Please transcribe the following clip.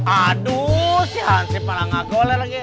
aduh si hansifer malah gak goler lagi